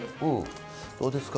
どうですか？